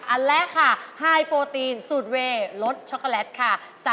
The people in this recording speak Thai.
อันแรกค่ะไฮโปรตีนสูตรเวย์รสช็อกโกแลตค่ะ